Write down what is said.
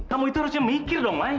kamu itu harusnya mikir dong main